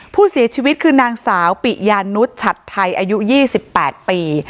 ผู้เสียชีวิตคือนางสาวปิยานุษย์ฉัดไทยอายุ๒๘ปี